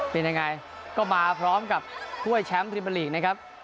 เป็นยังไงก็มาพร้อมกับถ้วยแชมป์พรีเมอร์ลีกนะครับ